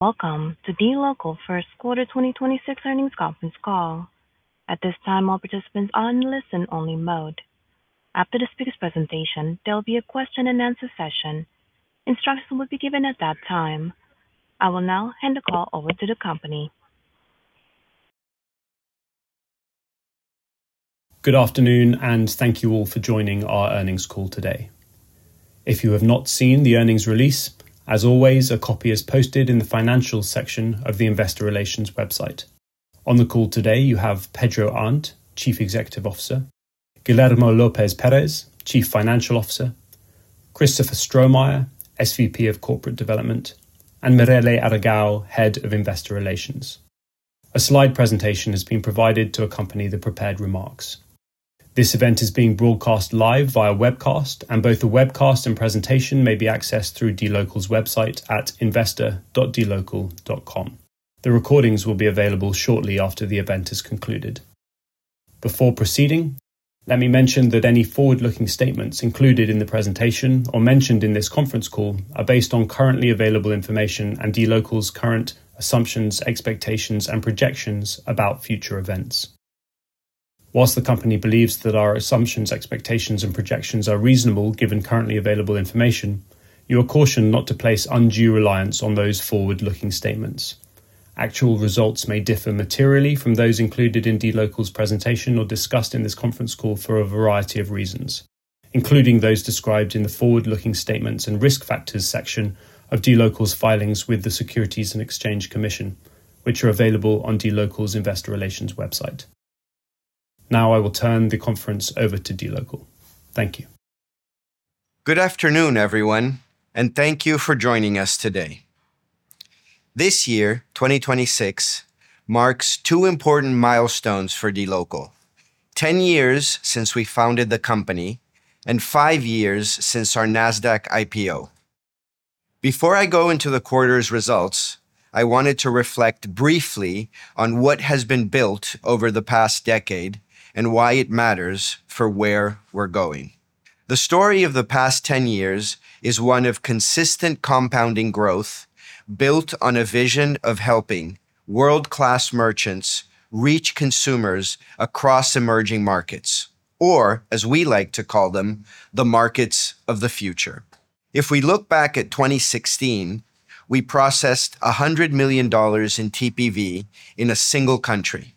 Welcome to DLocal First Quarter 2026 Earnings Conference Call. At this time, all participants are in listen-only mode. After the speaker's presentation, there will be a question-and-answer session. Instructions will be given at that time. I will now hand the call over to the company. Good afternoon, and thank you all for joining our earnings call today. If you have not seen the earnings release, as always, a copy is posted in the financial section of the investor relations website. On the call today you have Pedro Arnt, Chief Executive Officer, Guillermo López Pérez, Chief Financial Officer, Christopher Stromeyer, SVP of Corporate Development, and Mirele Aragão, Head of Investor Relations. A slide presentation has been provided to accompany the prepared remarks. This event is being broadcast live via webcast, and both the webcast and presentation may be accessed through DLocal's website at investor.dlocal.com. The recordings will be available shortly after the event is concluded. Before proceeding, let me mention that any forward-looking statements included in the presentation or mentioned in this conference call are based on currently available information and DLocal's current assumptions, expectations, and projections about future events. While the company believes that our assumptions, expectations, and projections are reasonable given currently available information, you are cautioned not to place undue reliance on those forward-looking statements. Actual results may differ materially from those included in DLocal's presentation or discussed in this conference call for a variety of reasons, including those described in the forward-looking statements and risk factors section of DLocal's filings with the Securities and Exchange Commission, which are available on DLocal's investor relations website. Now I will turn the conference over to DLocal. Thank you. Good afternoon, everyone, and thank you for joining us today. This year, 2026, marks two important milestones for DLocal, 10 years since we founded the company and five years since our Nasdaq IPO. Before I go into the quarter's results, I wanted to reflect briefly on what has been built over the past decade and why it matters for where we're going. The story of the past 10 years is one of consistent compounding growth built on a vision of helping world-class merchants reach consumers across emerging markets, or as we like to call them, the markets of the future. If we look back at 2016, we processed $100 million in TPV in a single country.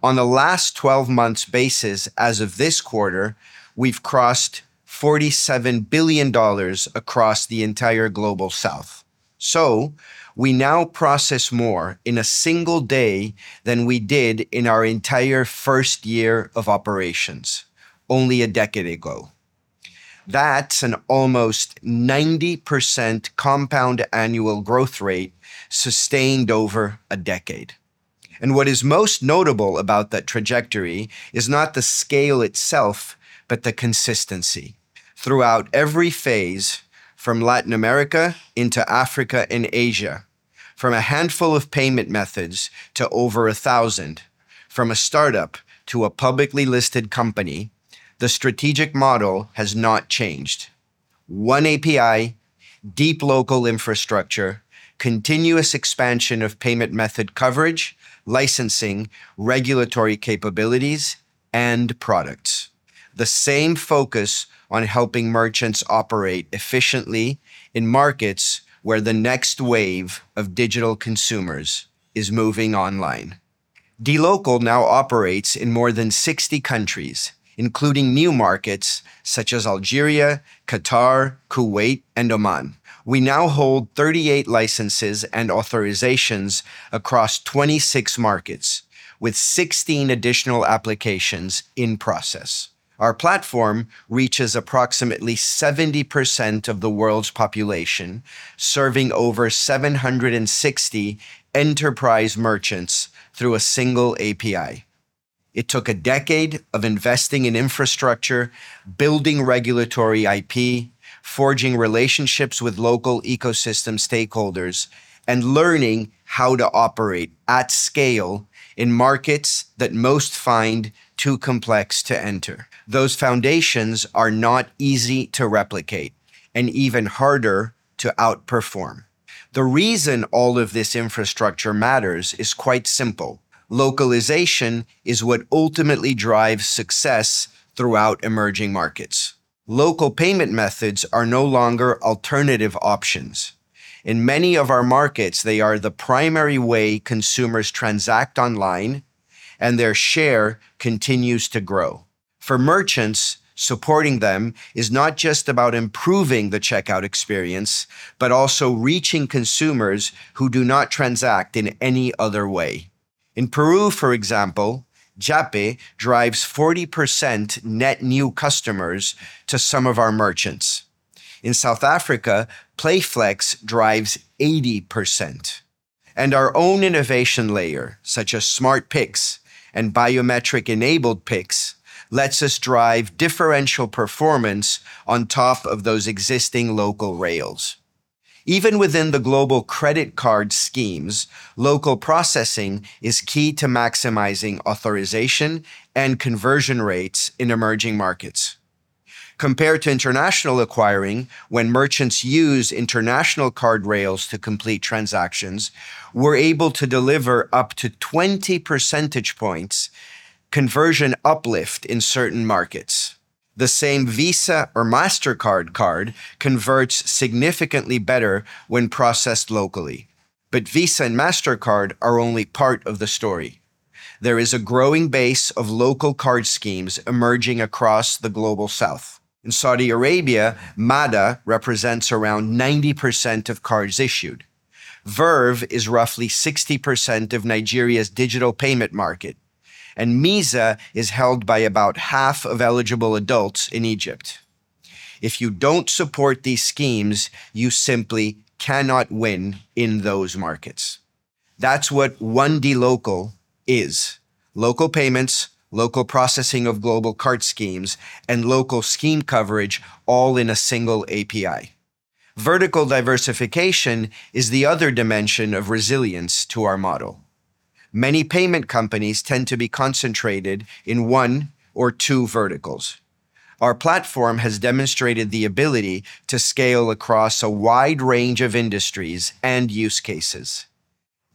On the last 12 months basis as of this quarter, we've crossed $47 billion across the entire Global South. We now process more in a single day than we did in our entire first year of operations only a decade ago. That's an almost 90% compound annual growth rate sustained over a decade. What is most notable about that trajectory is not the scale itself but the consistency. Throughout every phase, from Latin America into Africa and Asia, from a handful of payment methods to over 1,000, from a startup to a publicly listed company, the strategic model has not changed. One API, deep local infrastructure, continuous expansion of payment method coverage, licensing, regulatory capabilities, and products. The same focus on helping merchants operate efficiently in markets where the next wave of digital consumers is moving online. DLocal now operates in more than 60 countries, including new markets such as Algeria, Qatar, Kuwait, and Oman. We now hold 38 licenses and authorizations across 26 markets with 16 additional applications in process. Our platform reaches approximately 70% of the world's population, serving over 760 enterprise merchants through a single API. It took a decade of investing in infrastructure, building regulatory IP, forging relationships with local ecosystem stakeholders, and learning how to operate at scale in markets that most find too complex to enter. Those foundations are not easy to replicate and even harder to outperform. The reason all of this infrastructure matters is quite simple. Localization is what ultimately drives success throughout emerging markets. Local payment methods are no longer alternative options. In many of our markets, they are the primary way consumers transact online, and their share continues to grow. For merchants, supporting them is not just about improving the checkout experience but also reaching consumers who do not transact in any other way. In Peru, for example, Yape drives 40% net new customers to some of our merchants. In South Africa, Payflex drives 80%. Our own innovation layer, such as Smart Pix and biometric-enabled Pix, lets us drive differential performance on top of those existing local rails. Even within the global credit card schemes, local processing is key to maximizing authorization and conversion rates in emerging markets. Compared to international acquiring, when merchants use international card rails to complete transactions, we're able to deliver up to 20 percentage points conversion uplift in certain markets. The same Visa or Mastercard card converts significantly better when processed locally. Visa and Mastercard are only part of the story. There is a growing base of local card schemes emerging across the Global South. In Saudi Arabia, Mada represents around 90% of cards issued. Verve is roughly 60% of Nigeria's digital payment market, and Meeza is held by about half of eligible adults in Egypt. If you don't support these schemes, you simply cannot win in those markets. That's what one DLocal is, local payments, local processing of global card schemes, and local scheme coverage all in a single API. Vertical diversification is the other dimension of resilience to our model. Many payment companies tend to be concentrated in one or two verticals. Our platform has demonstrated the ability to scale across a wide range of industries and use cases.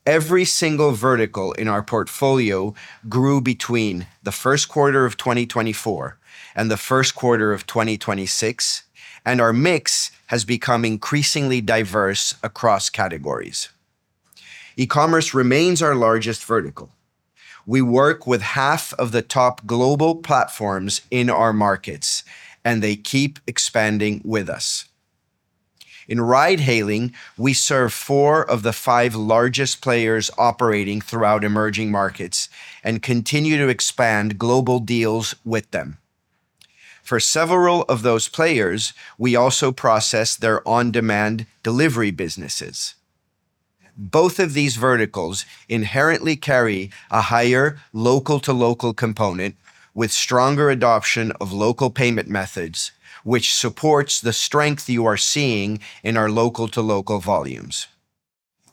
Every single vertical in our portfolio grew between the first quarter of 2024 and the first quarter of 2026, and our mix has become increasingly diverse across categories. E-commerce remains our largest vertical. We work with half of the top global platforms in our markets, and they keep expanding with us. In ride hailing, we serve four of the five largest players operating throughout emerging markets and continue to expand global deals with them. For several of those players, we also process their on-demand delivery businesses. Both of these verticals inherently carry a higher local-to-local component with stronger adoption of local payment methods, which supports the strength you are seeing in our local-to-local volumes.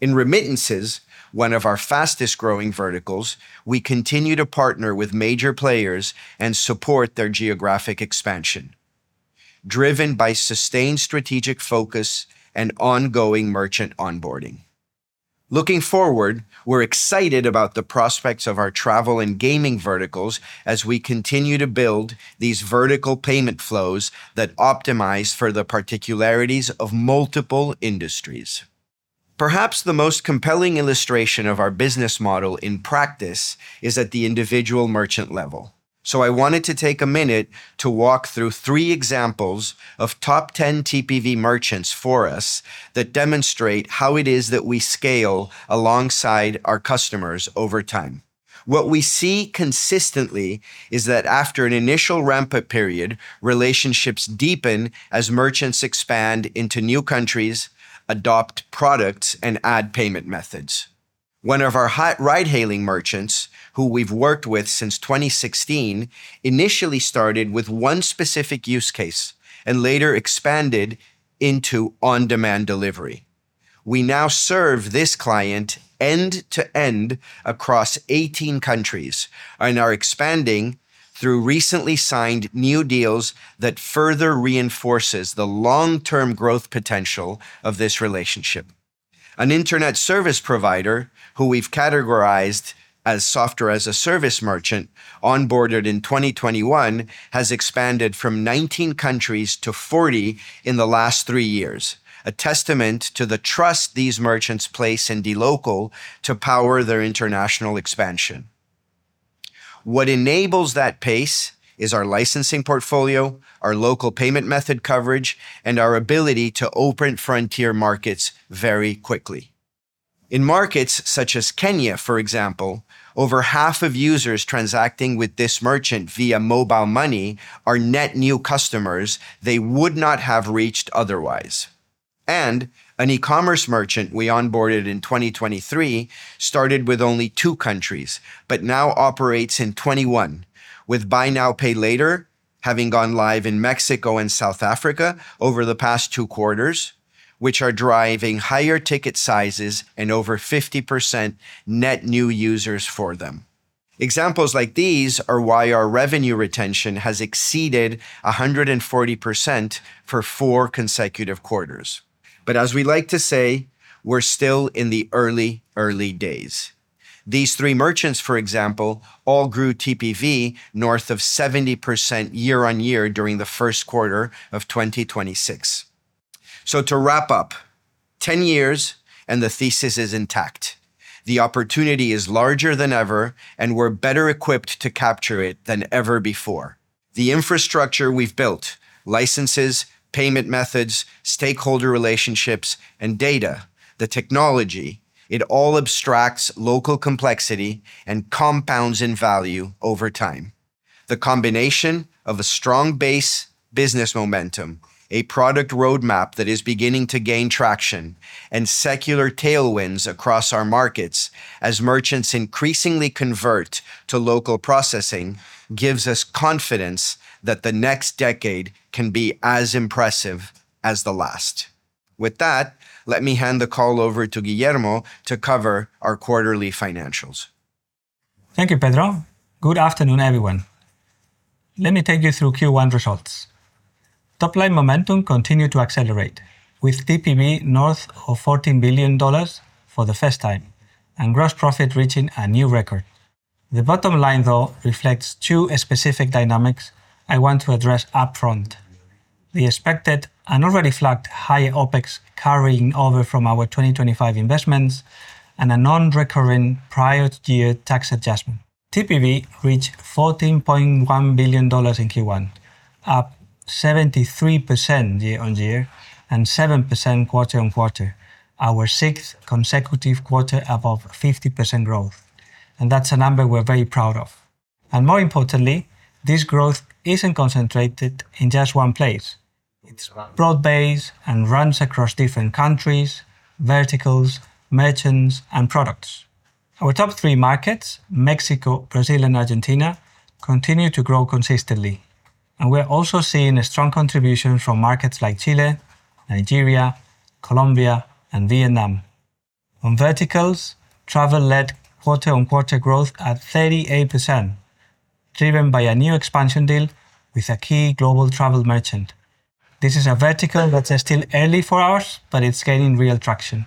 In remittances, one of our fastest-growing verticals, we continue to partner with major players and support their geographic expansion, driven by sustained strategic focus and ongoing merchant onboarding. Looking forward, we're excited about the prospects of our travel and gaming verticals as we continue to build these vertical payment flows that optimize for the particularities of multiple industries. Perhaps the most compelling illustration of our business model in practice is at the individual merchant level. I wanted to take a minute to walk through three examples of top 10 TPV merchants for us that demonstrate how it is that we scale alongside our customers over time. What we see consistently is that after an initial ramp-up period, relationships deepen as merchants expand into new countries, adopt products, and add payment methods. One of our hot ride-hailing merchants, who we've worked with since 2016, initially started with one specific use case and later expanded into on-demand delivery. We now serve this client end-to-end across 18 countries and are expanding through recently signed new deals that further reinforces the long-term growth potential of this relationship. An internet service provider, who we've categorized as software as a service merchant onboarded in 2021, has expanded from 19 countries to 40 in the last three years, a testament to the trust these merchants place in DLocal to power their international expansion. What enables that pace is our licensing portfolio, our local payment method coverage, and our ability to open frontier markets very quickly. In markets such as Kenya, for example, over half of users transacting with this merchant via mobile money are net new customers they would not have reached otherwise. An e-commerce merchant we onboarded in 2023 started with only two countries but now operates in 21, with buy now, pay later having gone live in Mexico and South Africa over the past two quarters, which are driving higher ticket sizes and over 50% net new users for them. Examples like these are why our revenue retention has exceeded 140% for four consecutive quarters. As we like to say, we're still in the early, early days. These three merchants, for example, all grew TPV north of 70% year-on-year during the first quarter of 2026. To wrap up, 10 years and the thesis is intact. The opportunity is larger than ever, and we're better equipped to capture it than ever before. The infrastructure we've built, licenses, payment methods, stakeholder relationships, and data, the technology, it all abstracts local complexity and compounds in value over time. The combination of a strong base business momentum, a product roadmap that is beginning to gain traction, and secular tailwinds across our markets as merchants increasingly convert to local processing gives us confidence that the next decade can be as impressive as the last. With that, let me hand the call over to Guillermo to cover our quarterly financials. Thank you, Pedro. Good afternoon, everyone. Let me take you through Q1 results. Topline momentum continued to accelerate, with TPV north of $14 billion for the first time, and gross profit reaching a new record. The bottom line, though, reflects two specific dynamics I want to address upfront: the expected and already flagged high OpEx carrying over from our 2025 investments, and a non-recurring prior year tax adjustment. TPV reached $14.1 billion in Q1, up 73% year-on-year and 7% quarter-on-quarter, our sixth consecutive quarter above 50% growth. That's a number we're very proud of. More importantly, this growth isn't concentrated in just one place. It's broad-based and runs across different countries, verticals, merchants, and products. Our top three markets, Mexico, Brazil, and Argentina, continue to grow consistently, and we're also seeing a strong contribution from markets like Chile, Nigeria, Colombia, and Vietnam. On verticals, travel led quarter-on-quarter growth at 38%, driven by a new expansion deal with a key global travel merchant. This is a vertical that is still early for us, but it's gaining real traction.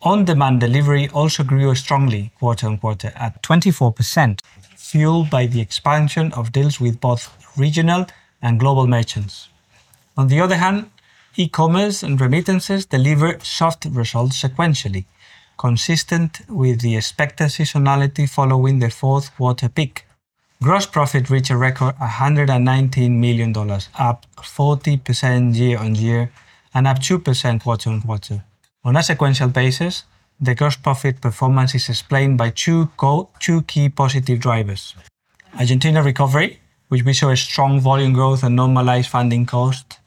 On-demand delivery also grew strongly quarter-on-quarter at 24%, fueled by the expansion of deals with both regional and global merchants. On the other hand, e-commerce and remittances delivered soft results sequentially, consistent with the expected seasonality following the fourth quarter peak. Gross profit reached a record, $119 million, up 40% year-on-year and up 2% quarter-on-quarter. On a sequential basis, the gross profit performance is explained by two key positive drivers: Argentina recovery, which we saw a strong volume growth and normalized funding cost,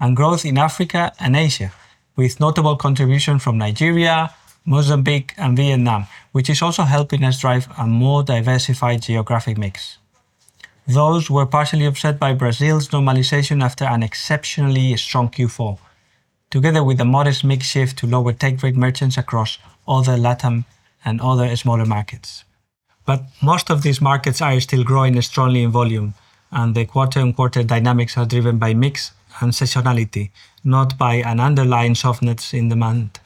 and growth in Africa and Asia, with notable contribution from Nigeria, Mozambique, and Vietnam, which is also helping us drive a more diversified geographic mix. Those were partially offset by Brazil's normalization after an exceptionally strong Q4, together with a modest mix shift to lower take rate merchants across all the LATAM and other smaller markets. Most of these markets are still growing strongly in volume, and the quarter-on-quarter dynamics are driven by mix and seasonality, not by an underlying softness in demand.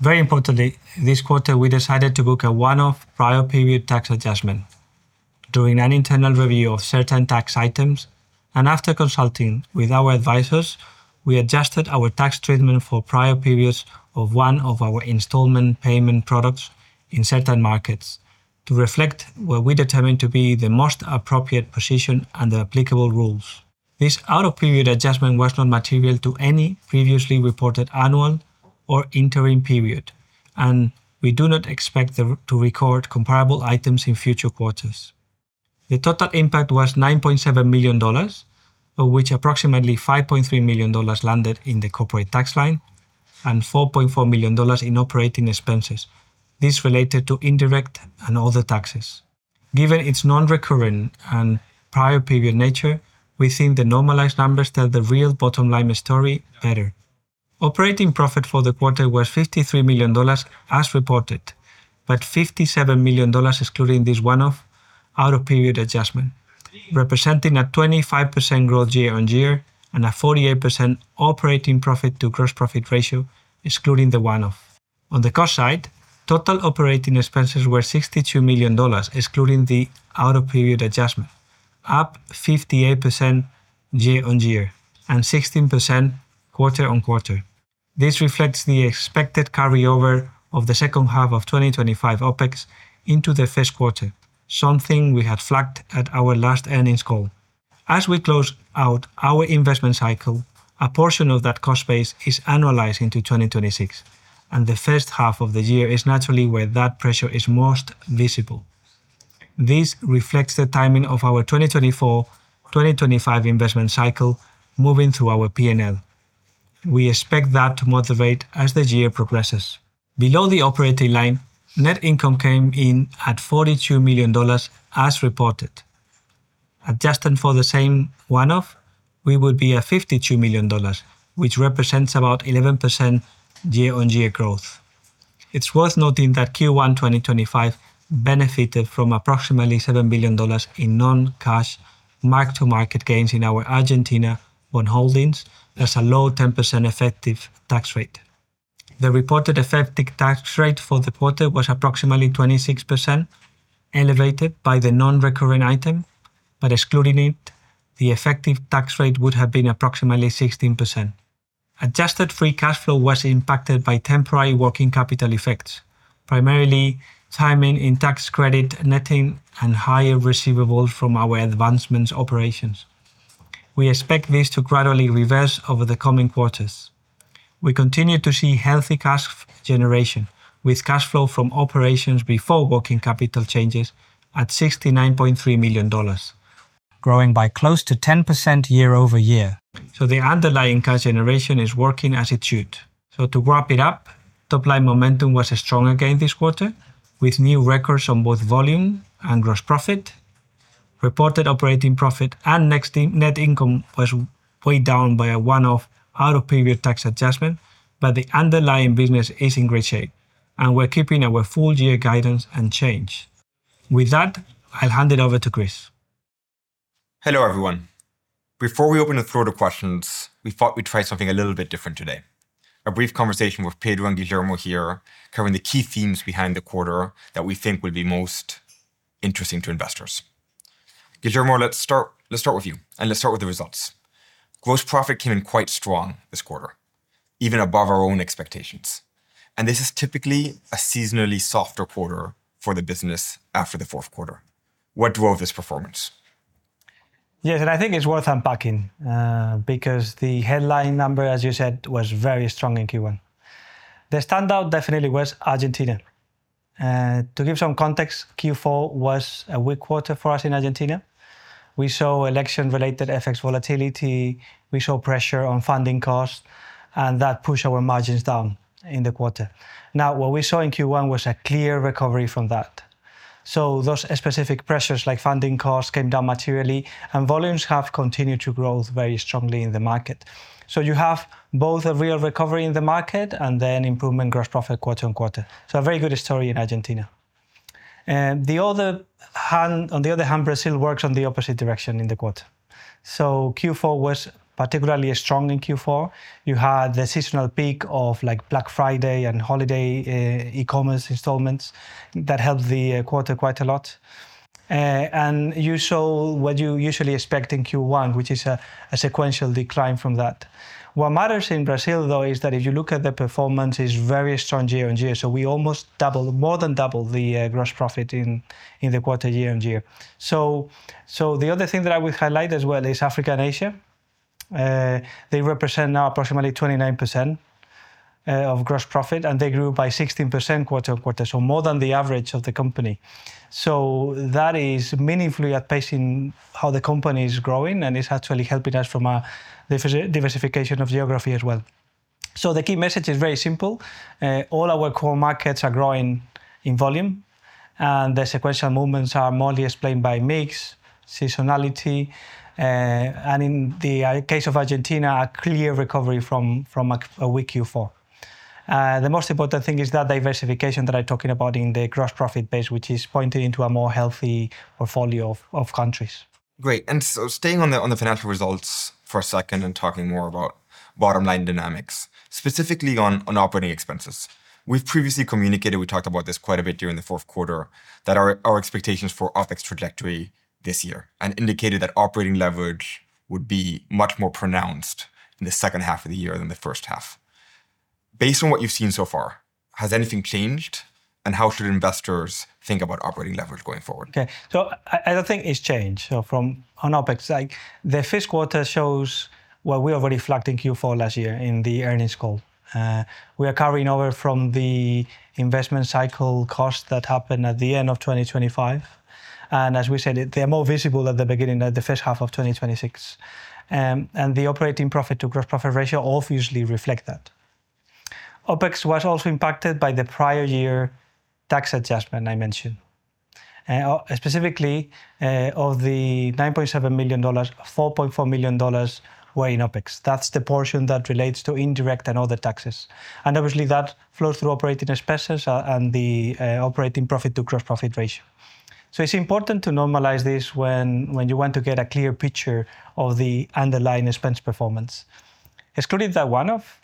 Very importantly, this quarter, we decided to book a one-off prior period tax adjustment. During an internal review of certain tax items and after consulting with our advisors, we adjusted our tax treatment for prior periods of one of our installment payment products in certain markets to reflect what we determined to be the most appropriate position and the applicable rules. This out-of-period adjustment was not material to any previously reported annual or interim period, and we do not expect to record comparable items in future quarters. The total impact was $9.7 million, of which approximately $5.3 million landed in the corporate tax line and $4.4 million in operating expenses. This related to indirect and other taxes. Given its non-recurring and prior period nature, we think the normalized numbers tell the real bottom line story better. Operating profit for the quarter was $53 million as reported, but $57 million excluding this one-off out-of-period adjustment, representing a 25% growth year-on-year and a 48% operating profit to gross profit ratio, excluding the one-off. On the cost side, total operating expenses were $62 million, excluding the out-of-period adjustment, up 58% year-on-year and 16% quarter-on-quarter. This reflects the expected carryover of the second half of 2025 OpEx into the first quarter, something we had flagged at our last earnings call. As we close out our investment cycle, a portion of that cost base is annualized into 2026, and the first half of the year is naturally where that pressure is most visible. This reflects the timing of our 2024, 2025 investment cycle moving through our P&L. We expect that to moderate as the year progresses. Below the operating line, net income came in at $42 million as reported. Adjusted for the same one-off, we would be at $52 million, which represents about 11% year-on-year growth. It's worth noting that Q1 2025 benefited from approximately $7 billion in non-cash mark-to-market gains in our Argentina bond holdings plus a low 10% effective tax rate. The reported effective tax rate for the quarter was approximately 26%, elevated by the non-recurring item. Excluding it, the effective tax rate would have been approximately 16%. Adjusted free cash flow was impacted by temporary working capital effects, primarily timing in tax credit netting and higher receivables from our advancements operations. We expect this to gradually reverse over the coming quarters. We continue to see healthy cash generation with cash flow from operations before working capital changes at $69.3 million, growing by close to 10% year-over-year. The underlying cash generation is working as it should. To wrap it up, top-line momentum was strong again this quarter with new records on both volume and gross profit. Reported operating profit and net income was weighed down by a one-off out of period tax adjustment, but the underlying business is in great shape, and we're keeping our full year guidance unchanged. With that, I'll hand it over to Chris. Hello, everyone. Before we open the floor to questions, we thought we'd try something a little bit different today, a brief conversation with Pedro and Guillermo here covering the key themes behind the quarter that we think will be most interesting to investors. Guillermo, let's start with you, and let's start with the results. Gross profit came in quite strong this quarter, even above our own expectations, and this is typically a seasonally softer quarter for the business after the fourth quarter. What drove this performance? Yes, I think it's worth unpacking, because the headline number, as you said, was very strong in Q1. The standout definitely was Argentina. To give some context, Q4 was a weak quarter for us in Argentina. We saw election related FX volatility. We saw pressure on funding costs, and that pushed our margins down in the quarter. Now, what we saw in Q1 was a clear recovery from that. Those specific pressures like funding costs came down materially and volumes have continued to grow very strongly in the market. You have both a real recovery in the market and then improvement in gross profit quarter on quarter. A very good story in Argentina. On the other hand, Brazil works on the opposite direction in the quarter. Q4 was particularly strong in Q4. You had the seasonal peak of, like, Black Friday and holiday e-commerce installments that helped the quarter quite a lot. And you saw what you usually expect in Q1, which is a sequential decline from that. What matters in Brazil, though, is that if you look at the performance, it's very strong year-on-year. We almost double, more than double the gross profit in the quarter year-on-year. The other thing that I would highlight as well is Africa and Asia. They represent now approximately 29% of gross profit, and they grew by 16% quarter-on-quarter, more than the average of the company. That is meaningfully outpacing how the company is growing and is actually helping us from a diversification of geography as well. The key message is very simple. All our core markets are growing in volume, the sequential movements are mostly explained by mix, seasonality, and in the case of Argentina, a clear recovery from a weak Q4. The most important thing is that diversification that I'm talking about in the gross profit base, which is pointing to a more healthy portfolio of countries. Staying on the financial results for a second and talking more about bottom-line dynamics, specifically on operating expenses. We've previously communicated, we talked about this quite a bit during the fourth quarter, that our expectations for OpEx trajectory this year and indicated that operating leverage would be much more pronounced in the second half of the year than the first half. Based on what you've seen so far, has anything changed, and how should investors think about operating leverage going forward? I don't think it's changed. From on OpEx, the first quarter shows what we already flagged in Q4 last year in the earnings call. We are carrying over from the investment cycle costs that happened at the end of 2025. As we said, they're more visible at the beginning, at the first half of 2026. The operating profit to gross profit ratio obviously reflect that. OpEx was also impacted by the prior year tax adjustment I mentioned. Specifically, of the $9.7 million, $4.4 million were in OpEx. That's the portion that relates to indirect and other taxes. Obviously that flows through operating expenses and the operating profit to gross profit ratio. It's important to normalize this when you want to get a clear picture of the underlying expense performance. Excluding that one-off,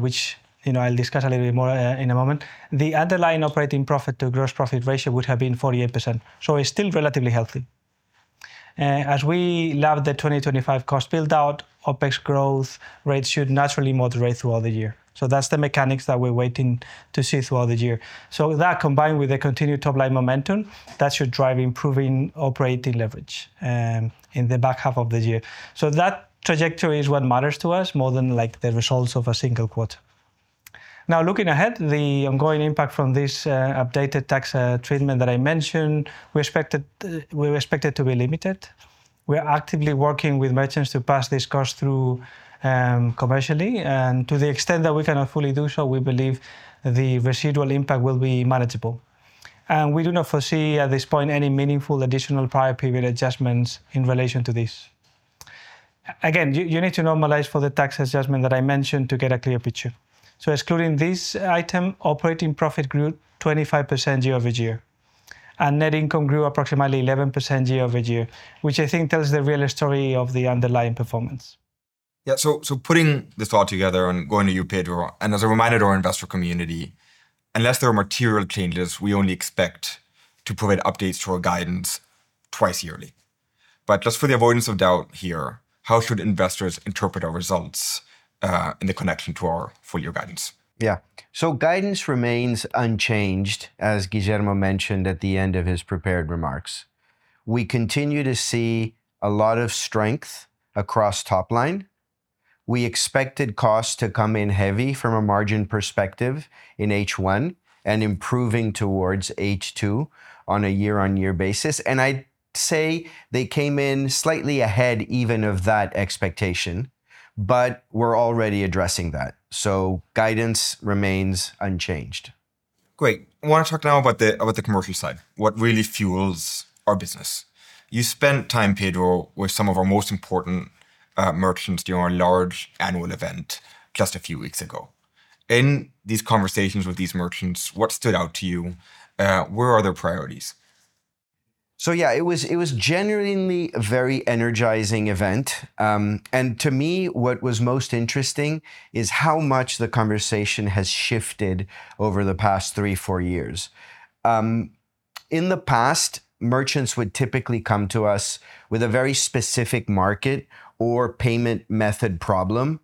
which, you know, I'll discuss a little bit more in a moment, the underlying operating profit to gross profit ratio would have been 48%. It's still relatively healthy. As we lap the 2025 cost build-out, OpEx growth rate should naturally moderate throughout the year. That's the mechanics that we're waiting to see throughout the year. That combined with the continued top-line momentum, that should drive improving operating leverage in the back half of the year. That trajectory is what matters to us more than, like, the results of a single quarter. Now, looking ahead, the ongoing impact from this updated tax treatment that I mentioned, we expect it to be limited. We are actively working with merchants to pass this cost through commercially, and to the extent that we cannot fully do so, we believe the residual impact will be manageable. We do not foresee at this point any meaningful additional prior period adjustments in relation to this. Again, you need to normalize for the tax adjustment that I mentioned to get a clear picture. Excluding this item, operating profit grew 25% year-over-year, and net income grew approximately 11% year-over-year, which I think tells the real story of the underlying performance. Putting this all together and going to you, Pedro, and as a reminder to our investor community, unless there are material changes, we only expect to provide updates to our guidance twice yearly. Just for the avoidance of doubt here, how should investors interpret our results, in the connection to our full year guidance? Yeah. Guidance remains unchanged, as Guillermo mentioned at the end of his prepared remarks. We continue to see a lot of strength across top line. We expected costs to come in heavy from a margin perspective in H1 and improving towards H2 on a year-on-year basis. I'd say they came in slightly ahead even of that expectation, but we're already addressing that. Guidance remains unchanged. Great. I want to talk now about the commercial side, what really fuels our business. You spent time, Pedro, with some of our most important merchants during our large annual event just a few weeks ago. In these conversations with these merchants, what stood out to you? Where are their priorities? Yeah, it was genuinely a very energizing event. To me, what was most interesting is how much the conversation has shifted over the past three, four years. In the past, merchants would typically come to us with a very specific market or payment method problem,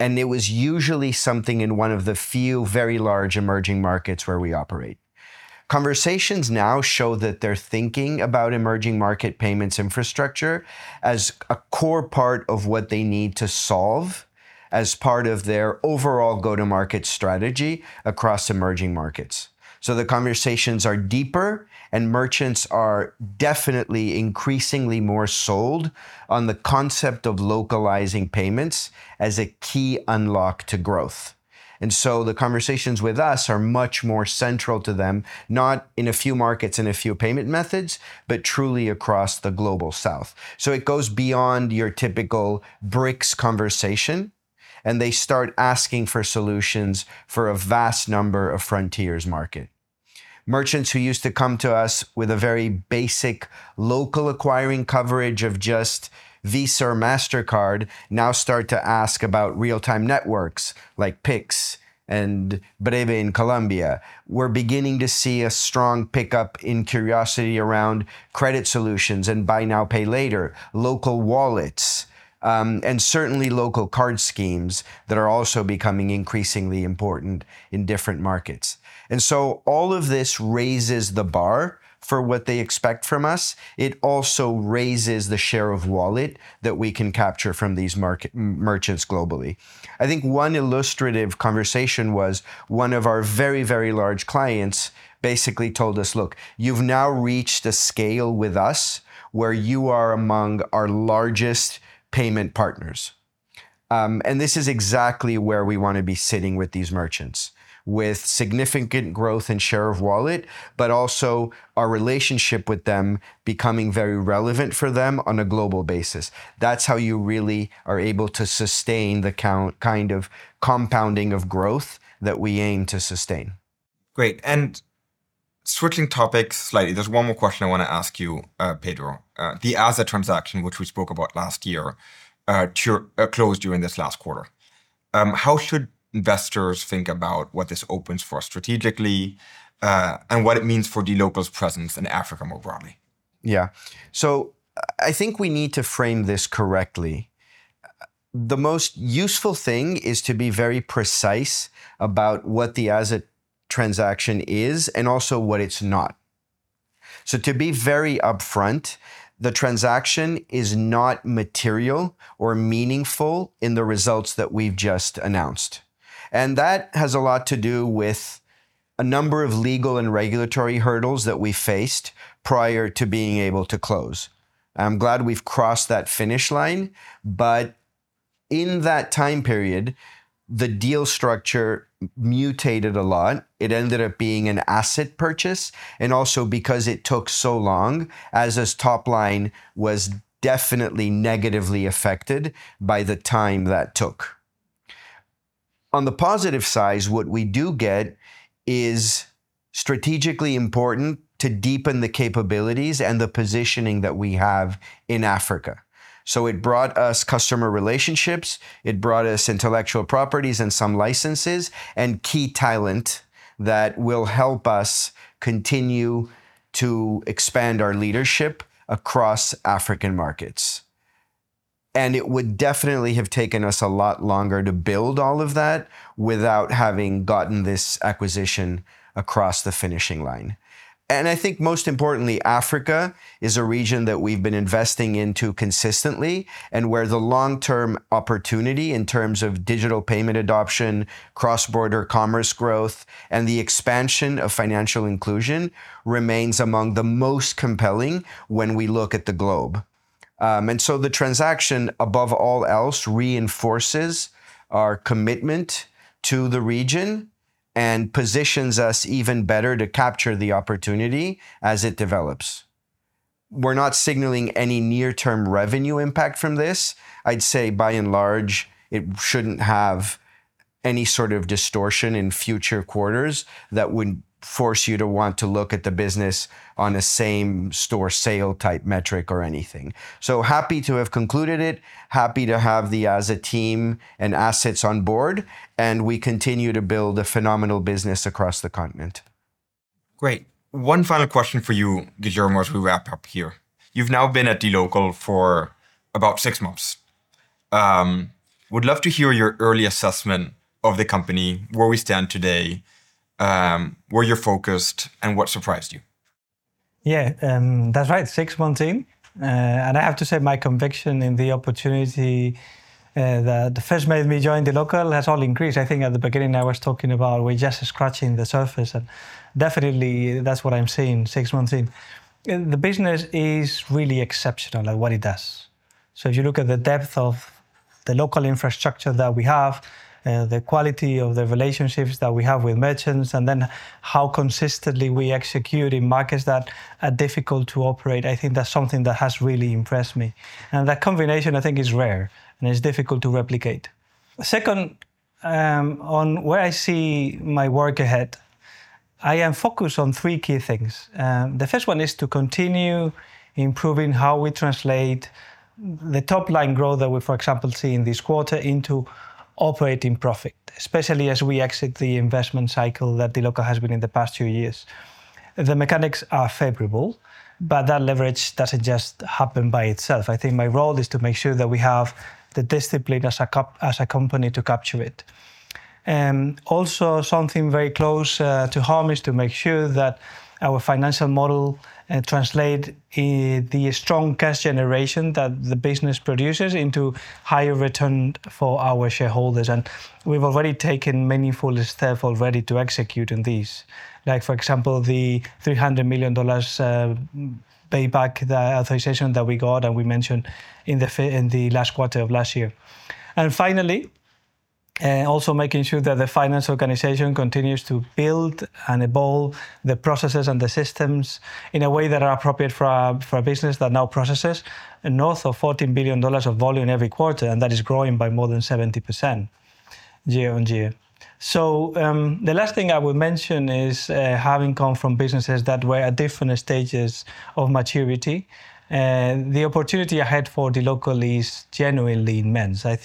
and it was usually something in one of the few very large emerging markets where we operate. Conversations now show that they're thinking about emerging market payments infrastructure as a core part of what they need to solve as part of their overall go-to-market strategy across emerging markets. The conversations are deeper, and merchants are definitely increasingly more sold on the concept of localizing payments as a key unlock to growth. The conversations with us are much more central to them, not in a few markets and a few payment methods, but truly across the Global South. It goes beyond your typical BRICS conversation, and they start asking for solutions for a vast number of frontiers market. Merchants who used to come to us with a very basic local acquiring coverage of just Visa or MasterCard now start to ask about real-time networks like Pix and Bre-B in Colombia. We're beginning to see a strong pickup in curiosity around credit solutions and buy now, pay later, local wallets, and certainly local card schemes that are also becoming increasingly important in different markets. All of this raises the bar for what they expect from us. It also raises the share of wallet that we can capture from these merchants globally. I think one illustrative conversation was one of our very, very large clients basically told us, "Look, you've now reached a scale with us where you are among our largest payment partners." This is exactly where we want to be sitting with these merchants, with significant growth in share of wallet, but also our relationship with them becoming very relevant for them on a global basis. That's how you really are able to sustain the kind of compounding of growth that we aim to sustain. Great, switching topics slightly, there's one more question I want to ask you, Pedro. The AZA transaction, which we spoke about last year, closed during this last quarter. How should investors think about what this opens for strategically, and what it means for DLocal's presence in Africa more broadly? Yeah. I think we need to frame this correctly. The most useful thing is to be very precise about what the AZA transaction is and also what it's not. To be very upfront, the transaction is not material or meaningful in the results that we've just announced, and that has a lot to do with a number of legal and regulatory hurdles that we faced prior to being able to close. I'm glad we've crossed that finish line, in that time period, the deal structure mutated a lot. It ended up being an asset purchase, also because it took so long, AZA's top line was definitely negatively affected by the time that took. On the positive side, what we do get is strategically important to deepen the capabilities and the positioning that we have in Africa. It brought us customer relationships, it brought us intellectual properties and some licenses, and key talent that will help us continue to expand our leadership across African markets. It would definitely have taken us a lot longer to build all of that without having gotten this acquisition across the finishing line. I think most importantly, Africa is a region that we've been investing into consistently, and where the long-term opportunity in terms of digital payment adoption, cross-border commerce growth, and the expansion of financial inclusion remains among the most compelling when we look at the globe. The transaction, above all else, reinforces our commitment to the region and positions us even better to capture the opportunity as it develops. We're not signaling any near-term revenue impact from this. I'd say by and large, it shouldn't have any sort of distortion in future quarters that would force you to want to look at the business on a same-store sale type metric or anything. Happy to have concluded it, happy to have the AZA team and assets on board, and we continue to build a phenomenal business across the continent. Great. One final question for you, Guillermo, as we wrap up here. You've now been at DLocal for about six months. Would love to hear your early assessment of the company, where we stand today, where you're focused, and what surprised you. Yeah. That's right, six months in. I have to say my conviction in the opportunity, that at first made me join DLocal has only increased. I think at the beginning I was talking about we're just scratching the surface, definitely that's what I'm seeing six months in. The business is really exceptional at what it does. If you look at the depth of the local infrastructure that we have, the quality of the relationships that we have with merchants, and then how consistently we execute in markets that are difficult to operate, I think that's something that has really impressed me. That combination, I think, is rare, and it's difficult to replicate. Second, on where I see my work ahead, I am focused on three key things. The first one is to continue improving how we translate the top line growth that we, for example, see in this quarter into operating profit, especially as we exit the investment cycle that DLocal has been in the past two years. The mechanics are favorable, but that leverage doesn't just happen by itself. I think my role is to make sure that we have the discipline as a company to capture it. Also something very close to home is to make sure that our financial model translate the strong cash generation that the business produces into higher return for our shareholders. We've already taken meaningful step already to execute on these. Like, for example, the $300 million payback, the authorization that we got and we mentioned in the last quarter of last year. Finally, also making sure that the finance organization continues to build and evolve the processes and the systems in a way that are appropriate for a business that now processes north of $14 billion of volume every quarter, and that is growing by more than 70% year-on-year. The last thing I would mention is, having come from businesses that were at different stages of maturity, the opportunity ahead for DLocal is genuinely immense. I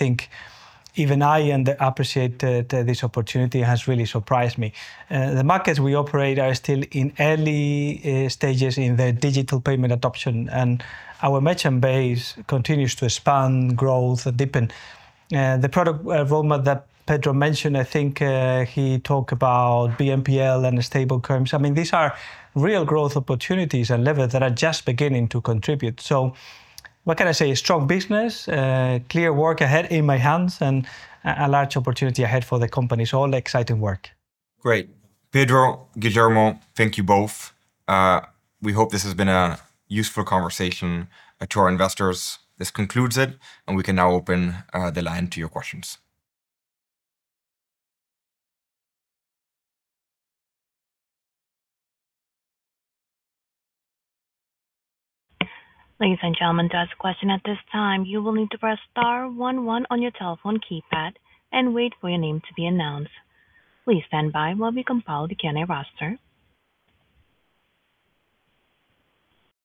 think even I underappreciate that this opportunity has really surprised me. The markets we operate are still in early stages in their digital payment adoption, and our merchant base continues to expand, growth deepen. The product roadmap that Pedro mentioned, I think, he talked about BNPL and stablecoins. I mean, these are real growth opportunities and levers that are just beginning to contribute. What can I say? A strong business, clear work ahead in my hands and a large opportunity ahead for the company, all exciting work. Great. Pedro, Guillermo, thank you both. We hope this has been a useful conversation to our investors. This concludes it, and we can now open the line to your questions. Ladies and gentlemen, to ask question at this time you will need to press star one one on your telephone keypad, and wait for your name to be announced. Please stand by while we compiled the Q&A roster.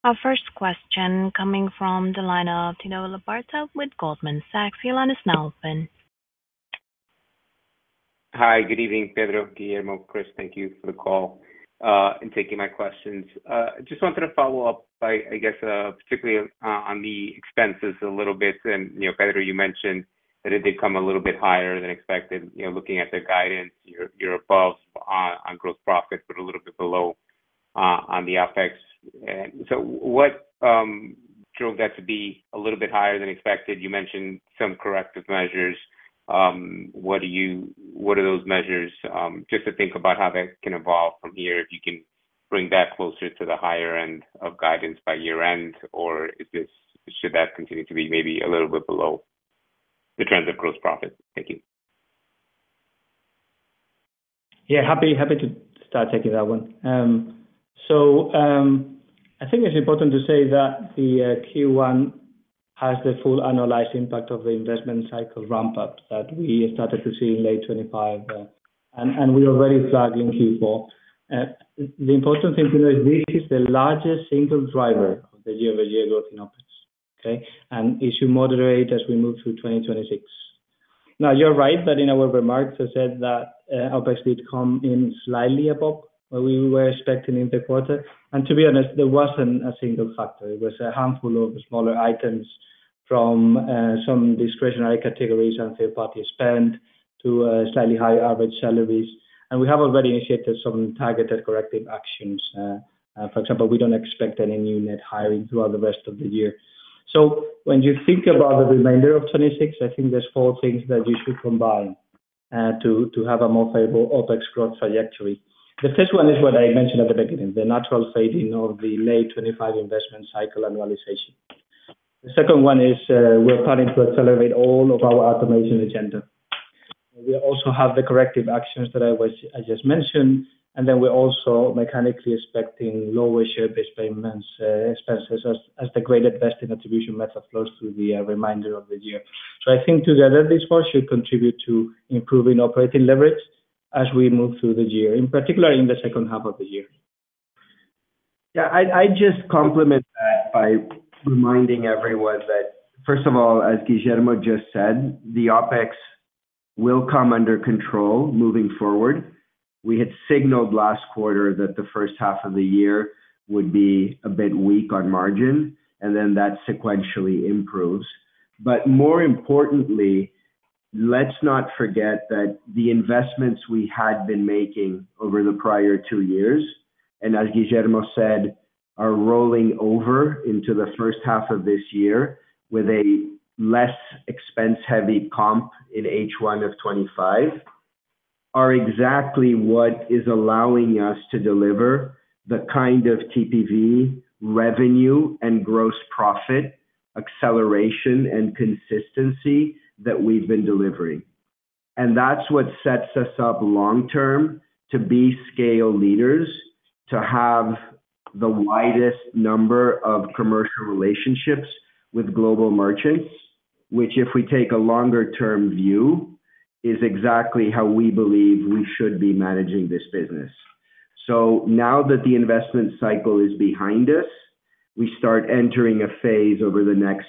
Our first question coming from the line of Tito Labarta with Goldman Sachs. Your line is now open. Hi. Good evening, Pedro, Guillermo, Chris. Thank you for the call, and taking my questions. Just wanted to follow up by, I guess, particularly on the expenses a little bit. You know, Pedro, you mentioned that it did come a little bit higher than expected. You know, looking at the guidance, you're above on gross profit, but a little bit below on the OpEx. What drove that to be a little bit higher than expected? You mentioned some corrective measures. What are those measures? Just to think about how that can evolve from here, if you can bring that closer to the higher end of guidance by year-end, or should that continue to be maybe a little bit below the trends of gross profit? Thank you. Happy to start taking that one. I think it's important to say that Q1 has the full annualized impact of the investment cycle ramp-up that we started to see in late 2025, and we already flagged in Q4. The important thing to know is this is the largest single driver of the year-over-year growth in OpEx. It should moderate as we move through 2026. Now, you're right that in our remarks, I said that OpEx did come in slightly above where we were expecting in the quarter. To be honest, there wasn't a single factor. It was a handful of smaller items from some discretionary categories and third party spend to slightly higher average salaries. We have already initiated some targeted corrective actions. For example, we don't expect any new net hiring throughout the rest of the year. When you think about the remainder of 26, I think there's four things that we should combine to have a more favorable OpEx growth trajectory. The first one is what I mentioned at the beginning, the natural fading of the late 2025 investment cycle annualization. The second one is, we're planning to accelerate all of our automation agenda. We also have the corrective actions that I just mentioned, we're also mechanically expecting lower share-based payments expenses as the graded vesting attribution method flows through the remainder of the year. I think together, these four should contribute to improving operating leverage as we move through the year, in particular in the second half of the year. I'd just complement that by reminding everyone that, first of all, as Guillermo just said, the OpEx will come under control moving forward. We had signaled last quarter that the first half of the year would be a bit weak on margin, that sequentially improves. More importantly, let's not forget that the investments we had been making over the prior two years, as Guillermo said, are rolling over into the first half of this year with a less expense-heavy comp in H1 of 2025. Exactly what is allowing us to deliver the kind of TPV revenue and gross profit acceleration and consistency that we've been delivering. That's what sets us up long-term to be scale leaders, to have the widest number of commercial relationships with global merchants, which if we take a longer term view, is exactly how we believe we should be managing this business. Now that the investment cycle is behind us, we start entering a phase over the next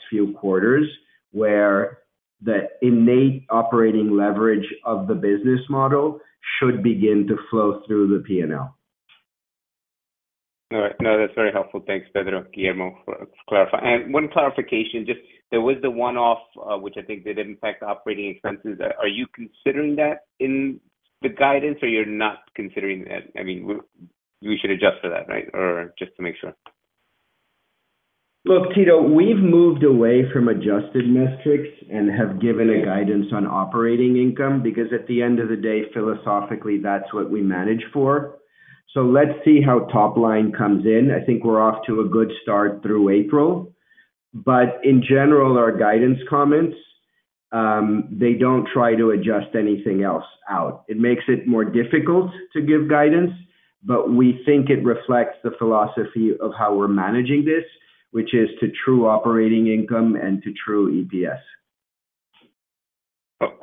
few quarters where the innate operating leverage of the business model should begin to flow through the P&L. All right. No, that's very helpful. Thanks, Pedro, Guillermo for a clarify. One clarification, just there was the one-off, which I think they didn't impact operating expenses. Are you considering that in the guidance or you're not considering that? I mean, we should adjust for that, right? Just to make sure. Look, Tito, we've moved away from adjusted metrics and have given a guidance on operating income because at the end of the day, philosophically, that's what we manage for. Let's see how top line comes in. I think we're off to a good start through April. In general, our guidance comments, they don't try to adjust anything else out. It makes it more difficult to give guidance, but we think it reflects the philosophy of how we're managing this, which is to true operating income and to true EPS.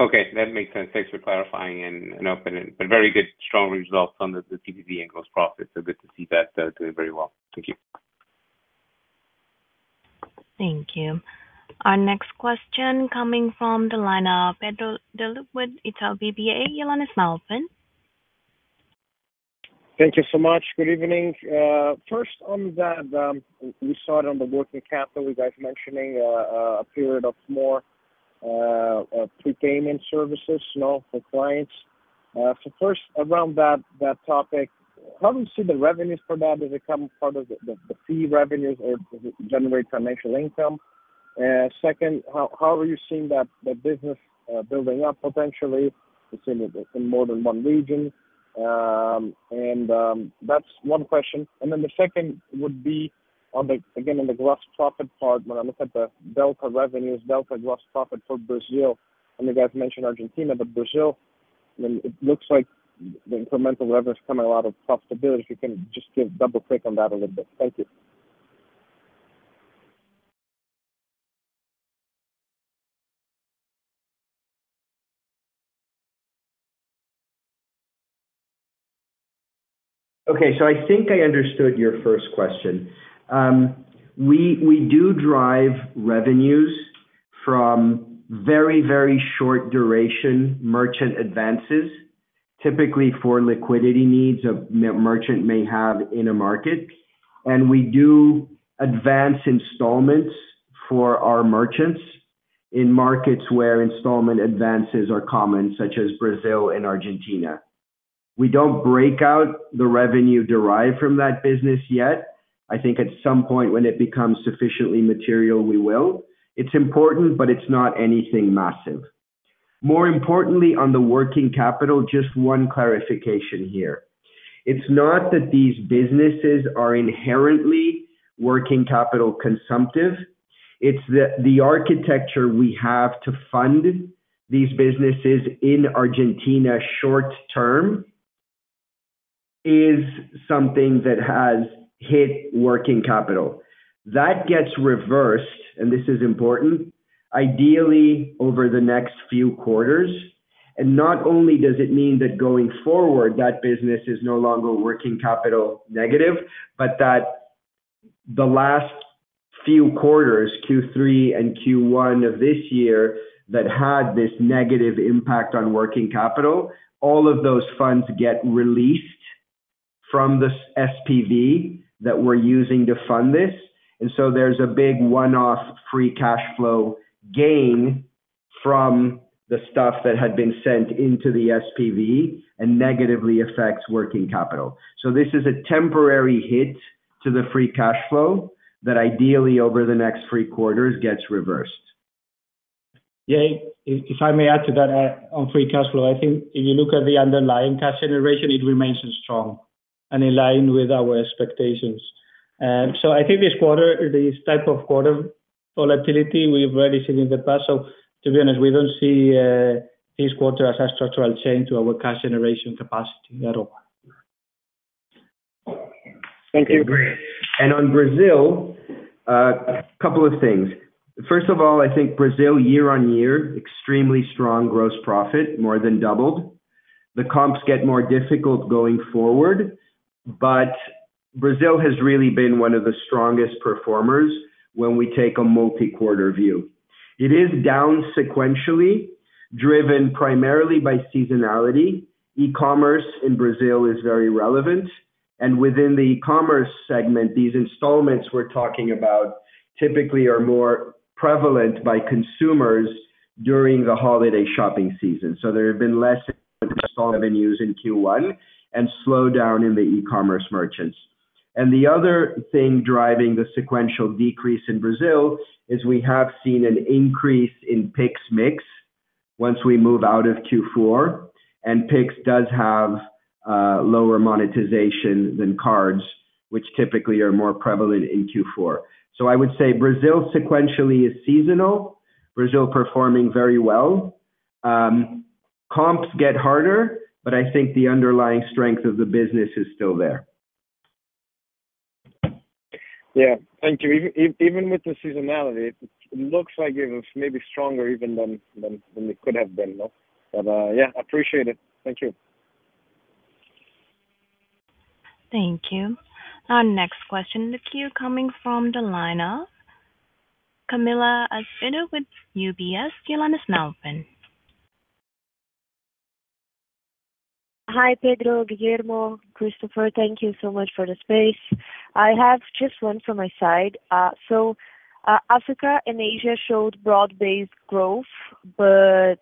Okay, that makes sense. Thanks for clarifying and opening. Very good strong results on the TPV and gross profit. Good to see that doing very well. Thank you. Thank you. Our next question coming from the line of Pedro Leduc with Itaú BBA. Your line is now open. Thank you so much. Good evening. First on that, we saw it on the working capital, you guys mentioning a period of more prepayment services, you know, for clients. First around that topic, how do you see the revenues for that as they come part of the fee revenues or generate financial income? Second, how are you seeing that, the business building up potentially, it's in more than one region? That's one question. The second would be on the, again, on the gross profit part. When I look at the delta revenues, delta gross profit for Brazil, you guys mentioned Argentina, but Brazil, I mean, it looks like the incremental revenue is coming a lot of profitability. If you can just give double click on that a little bit. Thank you. Okay. I think I understood your first question. We do drive revenues from very short duration merchant advances, typically for liquidity needs a merchant may have in a market. We do advance installments for our merchants in markets where installment advances are common, such as Brazil and Argentina. We don't break out the revenue derived from that business yet. I think at some point when it becomes sufficiently material, we will. It's important, but it's not anything massive. More importantly, on the working capital, just one clarification here. It's not that these businesses are inherently working capital consumptive. It's the architecture we have to fund these businesses in Argentina short term is something that has hit working capital. That gets reversed, and this is important, ideally over the next few quarters. Not only does it mean that going forward, that business is no longer working capital negative, but that the last few quarters, Q3 and Q1 of this year that had this negative impact on working capital, all of those funds get released from the SPV that we're using to fund this. There's a big one-off free cash flow gain from the stuff that had been sent into the SPV and negatively affects working capital. This is a temporary hit to the free cash flow that ideally over the next three quarters gets reversed. Yeah. If I may add to that, on free cash flow, I think if you look at the underlying cash generation, it remains strong and in line with our expectations. I think this quarter, this type of quarter volatility we've already seen in the past. To be honest, we don't see this quarter as a structural change to our cash generation capacity at all. Thank you. Okay, great. On Brazil, couple of things. First of all, I think Brazil year-over-year, extremely strong gross profit, more than doubled. The comps get more difficult going forward, but Brazil has really been one of the strongest performers when we take a multi-quarter view. It is down sequentially, driven primarily by seasonality. E-commerce in Brazil is very relevant, and within the e-commerce segment, these installments we're talking about typically are more prevalent by consumers during the holiday shopping season. There have been less installment revenues in Q1 and slowdown in the e-commerce merchants. The other thing driving the sequential decrease in Brazil is we have seen an increase in Pix mix once we move out of Q4. Pix does have lower monetization than cards, which typically are more prevalent in Q4. I would say Brazil sequentially is seasonal. Brazil performing very well. Comps get harder, but I think the underlying strength of the business is still there. Yeah. Thank you. Even with the seasonality, it looks like it was maybe stronger even than it could have been, though. Yeah. Appreciate it. Thank you. Thank you. Our next question in the queue coming from the line of [Camilla Arceno] with UBS. Your line is now open. Hi, Pedro, Guillermo, Christopher. Thank you so much for the space. I have just one from my side. Africa and Asia showed broad-based growth, but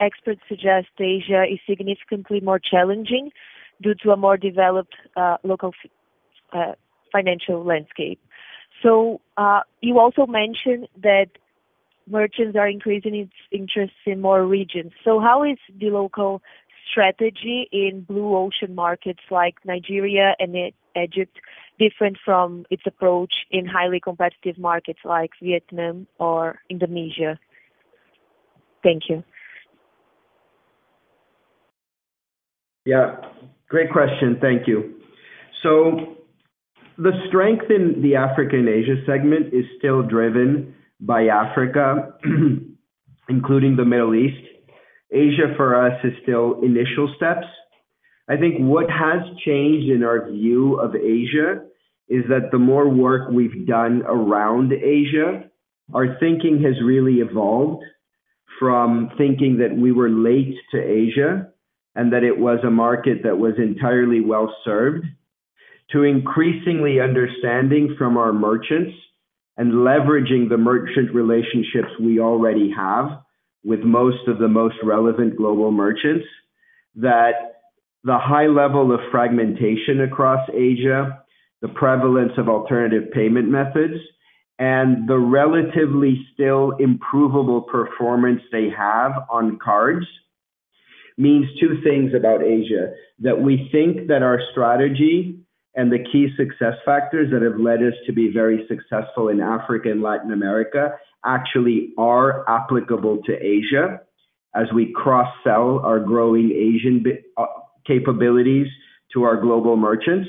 experts suggest Asia is significantly more challenging due to a more developed local financial landscape. You also mentioned that merchants are increasing its interest in more regions. How is the local strategy in Blue Ocean markets like Nigeria and Egypt different from its approach in highly competitive markets like Vietnam or Indonesia? Thank you. Yeah, great question. Thank you. The strength in the Africa and Asia segment is still driven by Africa, including the Middle East. Asia for us is still initial steps. I think what has changed in our view of Asia is that the more work we've done around Asia, our thinking has really evolved from thinking that we were late to Asia and that it was a market that was entirely well-served, to increasingly understanding from our merchants and leveraging the merchant relationships we already have with most of the most relevant global merchants, that the high level of fragmentation across Asia, the prevalence of alternative payment methods, and the relatively still improvable performance they have on cards means two things about Asia. We think that our strategy and the key success factors that have led us to be very successful in Africa and Latin America actually are applicable to Asia as we cross-sell our growing Asian capabilities to our global merchants.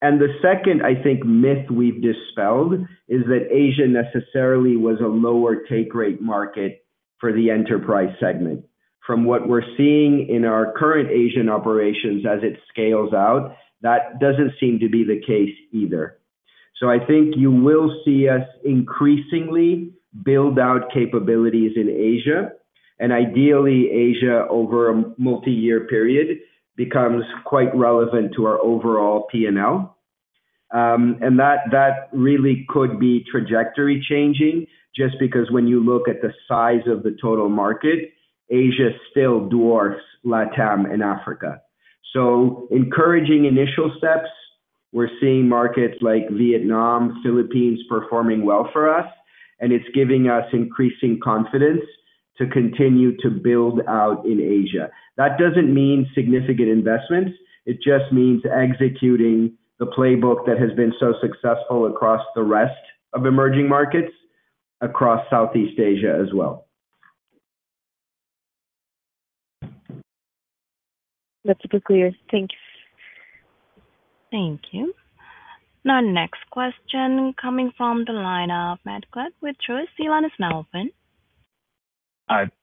The second, I think, myth we've dispelled is that Asia necessarily was a lower take rate market for the enterprise segment. From what we're seeing in our current Asian operations as it scales out, that doesn't seem to be the case either. I think you will see us increasingly build out capabilities in Asia, and ideally, Asia over a multi-year period becomes quite relevant to our overall P&L. That really could be trajectory-changing, just because when you look at the size of the total market, Asia still dwarfs LATAM and Africa. Encouraging initial steps. We're seeing markets like Vietnam, Philippines performing well for us, and it's giving us increasing confidence to continue to build out in Asia. That doesn't mean significant investments. It just means executing the playbook that has been so successful across the rest of emerging markets across Southeast Asia as well. That's super clear. Thanks. Thank you. Our next question coming from the line of Matt Coad with Truist. Your line is now open.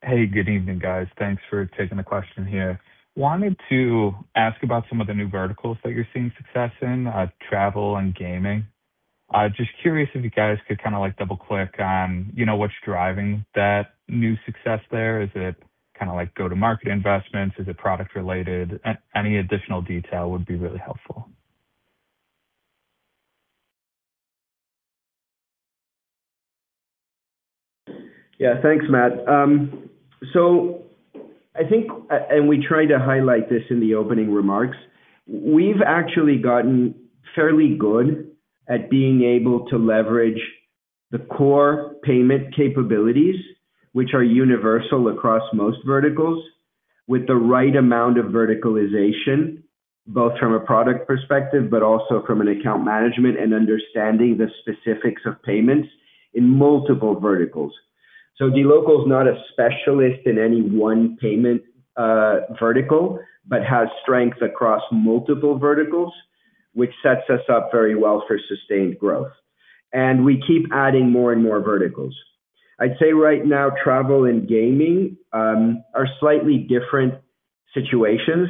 Hey, good evening, guys. Thanks for taking the question here. Wanted to ask about some of the new verticals that you're seeing success in, travel and gaming. Just curious if you guys could kinda like double-click on, you know, what's driving that new success there. Is it kinda like go-to-market investments? Is it product related? Any additional detail would be really helpful. Yeah. Thanks, Matt. I think, we tried to highlight this in the opening remarks. We've actually gotten fairly good at being able to leverage the core payment capabilities, which are universal across most verticals, with the right amount of verticalization, both from a product perspective, but also from an account management and understanding the specifics of payments in multiple verticals. DLocal's not a specialist in any one payment vertical, but has strength across multiple verticals, which sets us up very well for sustained growth. We keep adding more and more verticals. I'd say right now, travel and gaming are slightly different situations.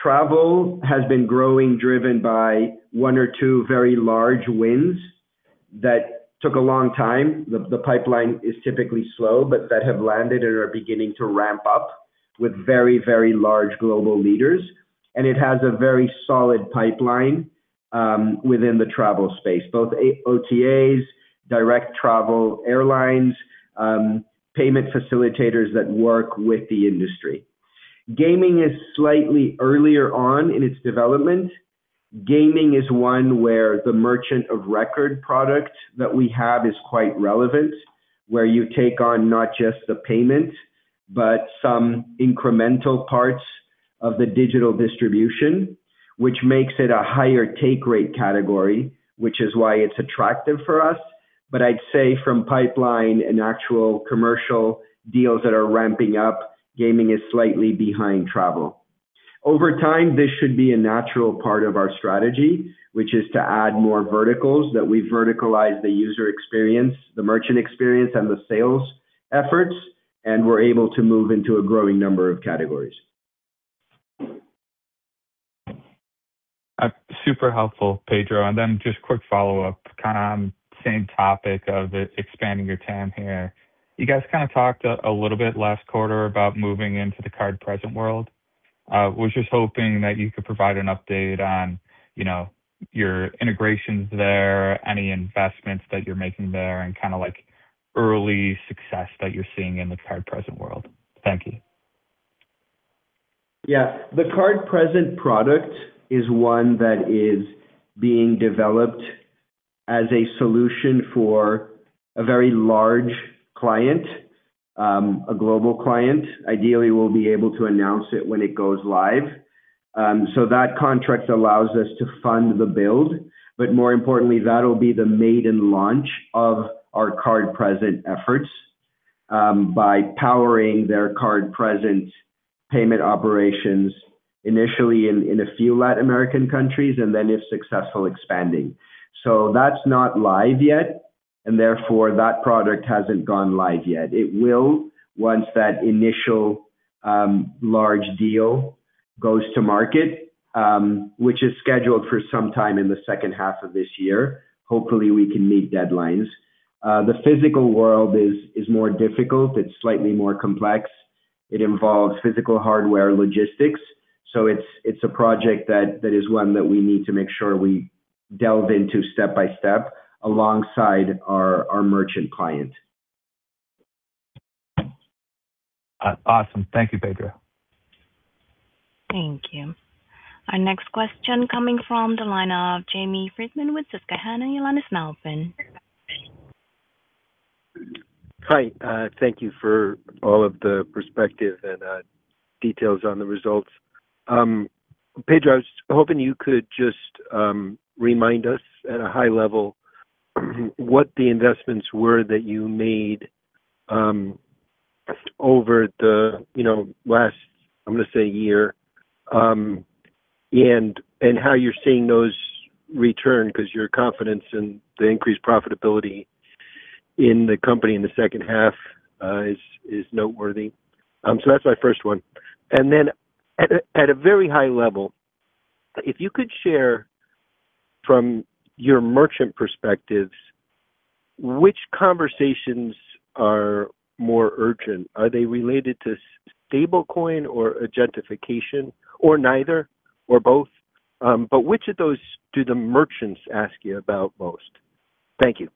Travel has been growing, driven by one or two very large wins that took a long time. The pipeline is typically slow, but that have landed and are beginning to ramp up with very, very large global leaders. It has a very solid pipeline within the travel space, both OTAs, direct travel airlines, payment facilitators that work with the industry. Gaming is slightly earlier on in its development. Gaming is one where the merchant of record product that we have is quite relevant, where you take on not just the payment but some incremental parts of the digital distribution, which makes it a higher take rate category, which is why it's attractive for us. I'd say from pipeline and actual commercial deals that are ramping up, gaming is slightly behind travel. Over time, this should be a natural part of our strategy, which is to add more verticals that we verticalize the user experience, the merchant experience, and the sales efforts, and we're able to move into a growing number of categories. Super helpful, Pedro. Then just quick follow-up, kinda on same topic of expanding your TAM here. You guys kind of talked a little bit last quarter about moving into the card-present world. Was just hoping that you could provide an update on, you know, your integrations there, any investments that you're making there, and kinda, like, early success that you're seeing in the card-present world. Thank you. Yeah. The card-present product is one that is being developed as a solution for a very large client, a global client. Ideally, we'll be able to announce it when it goes live. That contract allows us to fund the build, but more importantly, that'll be the maiden launch of our card-present efforts, by powering their card-present payment operations initially in a few Latin American countries, and then, if successful, expanding. That's not live yet, and therefore that product hasn't gone live yet. It will once that initial large deal goes to market, which is scheduled for some time in the second half of this year. Hopefully, we can meet deadlines. The physical world is more difficult. It's slightly more complex. It involves physical hardware logistics, it's a project that is one that we need to make sure we delve into step by step alongside our merchant client. Awesome. Thank you, Pedro. Thank you. Our next question coming from the line of Jamie Friedman with Susquehanna. Your line is now open. Hi. Thank you for all of the perspective and details on the results. Pedro, I was hoping you could just remind us at a high level what the investments were that you made over the, you know, last, I'm gonna say year, and how you're seeing those return, 'cause your confidence in the increased profitability in the company in the second half is noteworthy. That's my first one. At a very high level, if you could share from your merchant perspectives, which conversations are more urgent? Are they related to stablecoin or agentification or neither or both? Which of those do the merchants ask you about most? Thank you.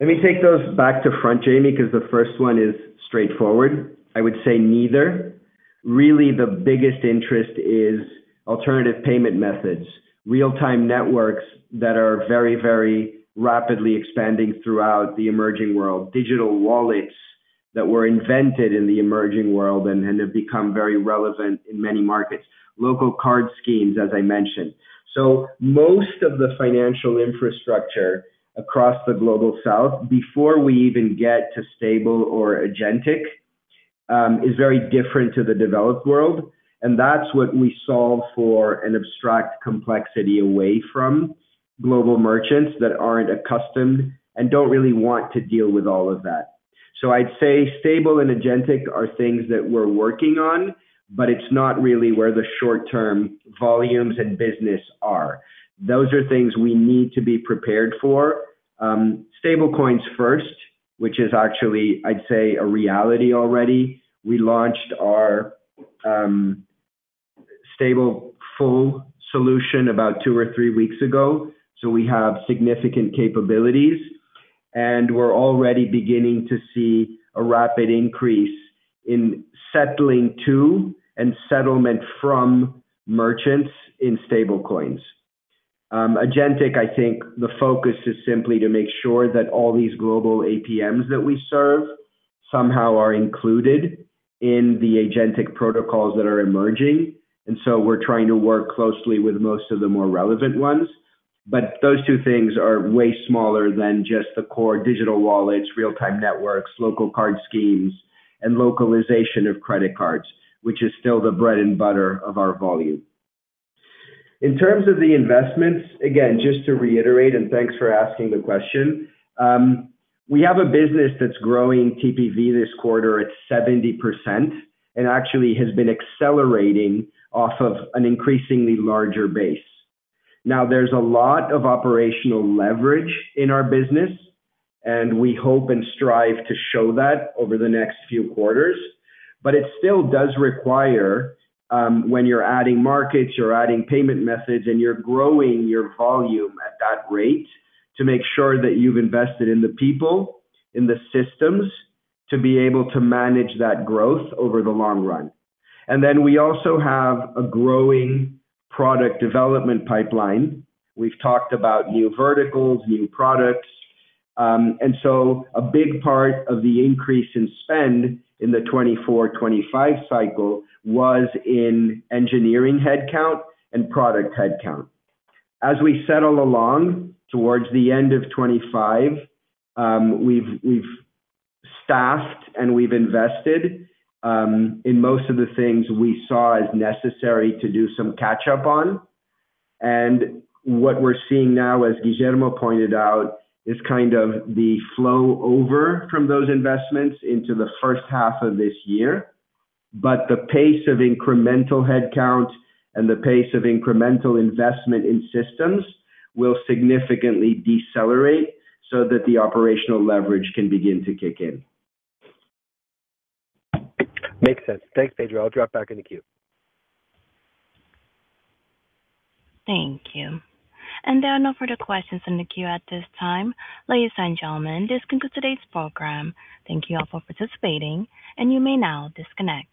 Let me take those back to front, Jamie, because the first one is straightforward. I would say neither. Really, the biggest interest is alternative payment methods, real-time networks that are very, very rapidly expanding throughout the emerging world, digital wallets that were invented in the emerging world and have become very relevant in many markets, local card schemes, as I mentioned. Most of the financial infrastructure across the Global South, before we even get to stable or agentic, is very different to the developed world, and that's what we solve for and abstract complexity away from global merchants that aren't accustomed and don't really want to deal with all of that. I'd say stable and agentic are things that we're working on, but it's not really where the short-term volumes and business are. Those are things we need to be prepared for. Stablecoins first, which is actually, I'd say, a reality already. We launched our stable full solution about two or three weeks ago, so we have significant capabilities, and we're already beginning to see a rapid increase in settling to and settlement from merchants in stablecoins. Agentic, I think the focus is simply to make sure that all these global APMs that we serve somehow are included in the agentic protocols that are emerging. We're trying to work closely with most of the more relevant ones. Those two things are way smaller than just the core digital wallets, real-time networks, local card schemes, and localization of credit cards, which is still the bread and butter of our volume. In terms of the investments, again, just to reiterate, and thanks for asking the question, we have a business that's growing TPV this quarter at 70% and actually has been accelerating off of an increasingly larger base. Now, there's a lot of operational leverage in our business, and we hope and strive to show that over the next few quarters. It still does require, when you're adding markets, you're adding payment methods, and you're growing your volume at that rate, to make sure that you've invested in the people, in the systems to be able to manage that growth over the long run. We also have a growing product development pipeline. We've talked about new verticals, new products. A big part of the increase in spend in the 2024/2025 cycle was in engineering headcount and product headcount. As we settle along towards the end of 2025, we've staffed and we've invested in most of the things we saw as necessary to do some catch-up on. What we're seeing now, as Guillermo pointed out, is kind of the flow over from those investments into the first half of this year. The pace of incremental headcount and the pace of incremental investment in systems will significantly decelerate so that the operational leverage can begin to kick in. Makes sense. Thanks, Pedro. I'll drop back in the queue. Thank you. There are no further questions in the queue at this time. Ladies and gentlemen, this concludes today's program. Thank you all for participating, and you may now disconnect.